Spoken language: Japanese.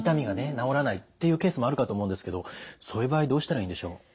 治らないっていうケースもあるかと思うんですけどそういう場合どうしたらいいんでしょう？